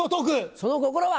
その心は？